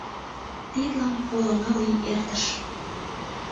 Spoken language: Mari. Тидлан коло ныл ий эртыш.